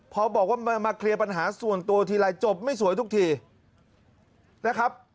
พอบอกว่ามาเคลียร์ปัญหาส่วนตัวทีไรจบไม่สวยทุกทีนะครับ